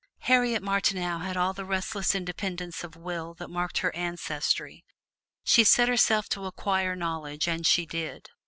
Harriet Martineau had all the restless independence of will that marked her ancestry. She set herself to acquire knowledge, and she did.